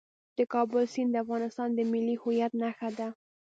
د کابل سیند د افغانستان د ملي هویت نښه ده.